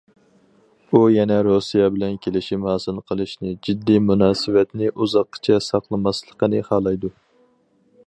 ئۇ يەنە رۇسىيە بىلەن كېلىشىم ھاسىل قىلىشنى، جىددىي مۇناسىۋەتنى ئۇزاققىچە ساقلىماسلىقىنى خالايدۇ.